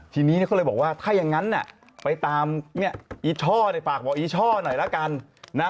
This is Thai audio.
ทีนี้เขาเลยบอกว่าถ้าอย่างนั้นไปตามเนี่ยอีช่อเนี่ยฝากบอกอีช่อหน่อยละกันนะ